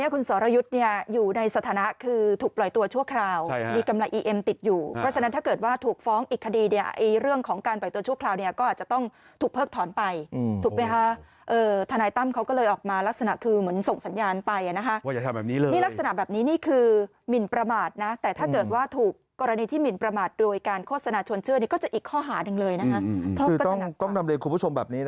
คุณสอรยุทธดำเนินคุณผู้ชมแบบนี้นะครับ